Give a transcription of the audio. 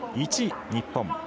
１位、日本。